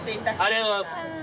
ありがとうございます。